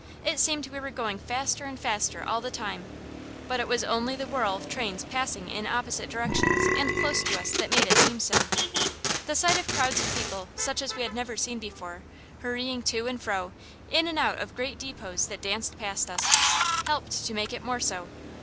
It seemed we were going faster and faster all the time, but it was only the whirl of trains passing in opposite directions and close to us that made it seem so. The sight of crowds of people such as we had never seen before, hurrying to and fro, in and out of great depots that danced past us, helped to make it more so.